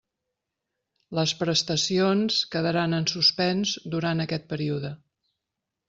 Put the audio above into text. Les prestacions quedaran en suspens durant aquest període.